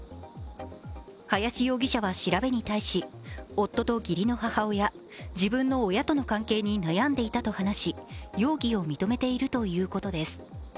林容疑者は調べに対し、夫と義理の母親、自分の親との関係に悩んでいたと話し、容疑を認めているということです。